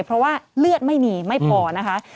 เพราะว่าเลือดไม่มีไม่พอนะคะ